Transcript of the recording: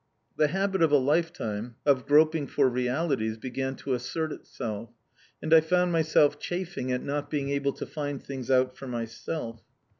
The habit of a lifetime of groping for realities began to assert itself, and I found myself chafing at not being able to find things out for myself.